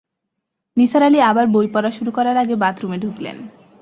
নিসার আলি আবার বই পড়া শুরু করার আগে বাথরুমে ঢুকলেন।